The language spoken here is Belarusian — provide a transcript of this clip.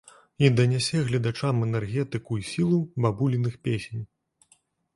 І данясе гледачам энергетыку і сілу бабуліных песень.